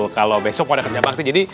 kalau besok mau ada kerja bakti jadi